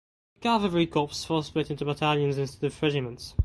The Cavalry Corps was split into battalions instead of regiments.